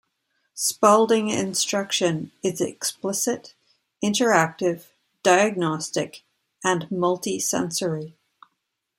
Spalding instruction is explicit, interactive, diagnostic, and multisensory.